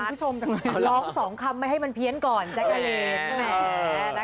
คุณผู้ชมจังเลยร้องสองคำไม่ให้มันเพี้ยนก่อนแจ๊คเกอร์เลส